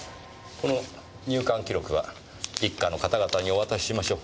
この入館記録は一課の方々にお渡ししましょう。